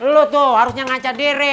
lu tuh harusnya ngaca diri